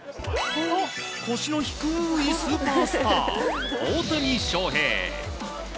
腰の低いスーパースター大谷翔平。